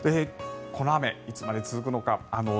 この雨いつまで続くのか。